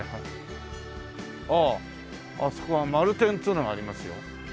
あああそこはまる天っていうのがありますよ。